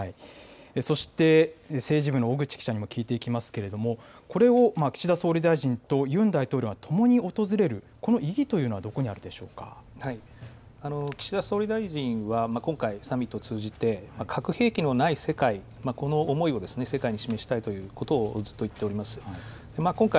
そして、政治部のおぐち記者にも聞いていきますけれども、これを岸田総理大臣とユン大統領が共に訪れる、この意義というのはどこにあるで岸田総理大臣は、今回、サミットを通じて核兵器のない世界、この思いを世界に示したいということをずっと言っております。